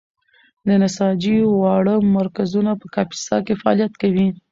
د نساجۍ واړه مرکزونه په کاپیسا کې فعالیت کوي.